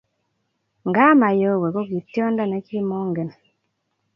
Nga mayowe ko tiondo nekimongen